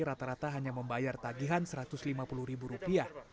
rata rata hanya membayar tagihan rp satu ratus lima puluh